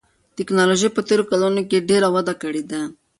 تکنالوژي په تېرو کلونو کې ډېره وده کړې ده.